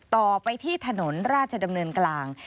ต่อไปที่ถนนราชดำเนินกลาง